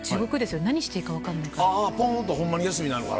あポンとホンマに休みになるから。